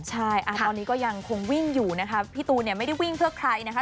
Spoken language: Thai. ใช่ตอนนี้ก็ยังคงวิ่งอยู่นะคะพี่ตูนเนี่ยไม่ได้วิ่งเพื่อใครนะคะ